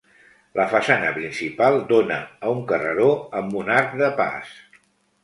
La façana principal dóna a un carreró amb un arc de pas.